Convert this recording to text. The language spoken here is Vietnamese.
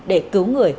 để cứu người